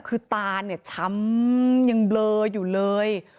คือตาเนี่ยช้ำยังเบลออยู่เลย